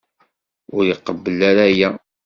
Ur iqebbel ara aya.